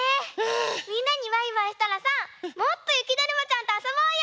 みんなにバイバイしたらさもっとゆきだるまちゃんとあそぼうよ！